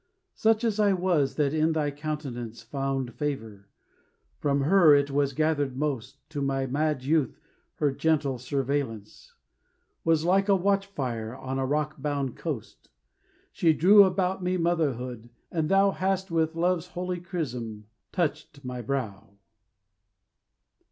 Such as I was that in thy countenance Found favour, from her it was gathered most. To my mad youth her gentle surveillance Was like a watch fire on a rock bound coast. She drew about me motherhood, and thou Hast with Love's holy chrism touched my brow.